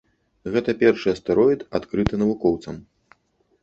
Гэта першы астэроід, адкрыты навукоўцам.